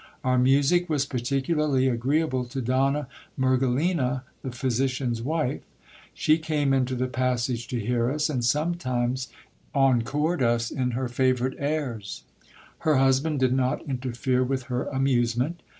Our music was par ticularly agreeable to Donna Mergelina, the physician's wife ; she came into the passage to hear us, and sometimes encored us in her favourite airs. Her hus band did not interfere with her amusement.